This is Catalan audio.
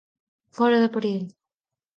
Fora de perill.